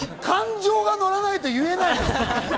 感情がのらないと言えないの。